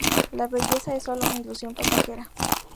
La belleza es sólo una ilusión pasajera.